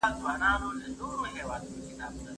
هغې ته ووايه چي ستا شاته نفل لمونځ وکړي.